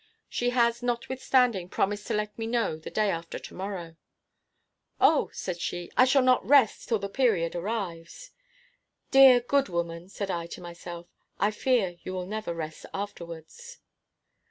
She has, notwithstanding, promised to let me know the day after to morrow." "O," said she, "I shall not rest till the period arrives." "Dear, good woman," said I to myself, "I fear you will never rest afterwards."